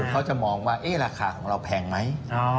เขาจะมองว่าราคาของเราแพงไหม